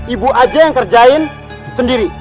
ibu aja yang kerjain sendiri